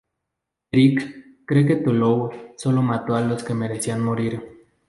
Eric, cree que Toulon sólo mató a los que merecían morir.